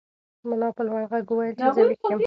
ملا په لوړ غږ وویل چې زه ویښ یم.